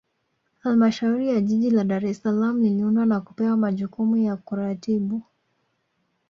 Halmashauri ya Jiji la Dar es Salaam iliundwa na kupewa majukumu ya kuratibu